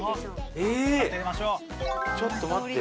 ええっちょっと待って。